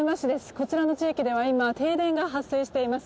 こちらの地域では今、停電が発生しています。